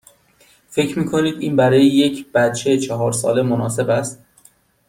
فکر می کنید این برای یک بچه چهار ساله مناسب است؟